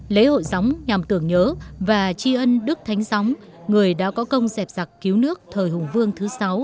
lễ hội gióng nhằm tưởng nhớ và tri ân đức thánh gióng người đã có công dẹp giặc cứu nước thời hùng vương thứ sáu